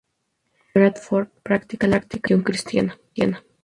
Bradford practica la religión cristiana.